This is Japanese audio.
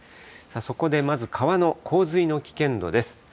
そこでまず川の洪水の危険度です。